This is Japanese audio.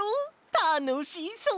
たのしそう！